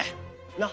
なっ？